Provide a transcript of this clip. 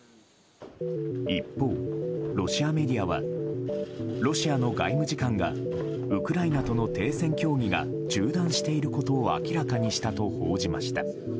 一方、ロシアメディアはロシアの外務次官がウクライナとの停戦協議が中断していることを明らかにしたと報じました。